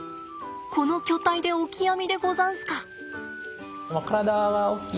この巨体でオキアミでござんすか。